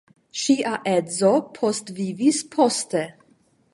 Ŝia edzo postvivis poste.